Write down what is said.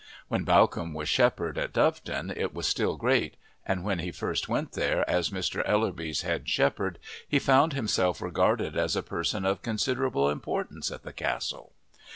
When Bawcombe was shepherd at Doveton it was still great, and when he first went there as Mr. Ellerby's head shepherd he found himself regarded as a person of considerable importance at the Castle.